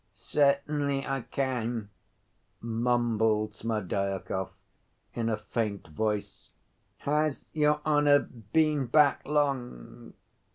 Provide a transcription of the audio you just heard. "Certainly I can," mumbled Smerdyakov, in a faint voice. "Has your honor been back long?"